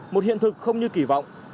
một hiện thực không như kỳ vọng